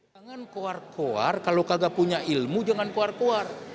jangan kuar kuar kalau kagak punya ilmu jangan kuar kuar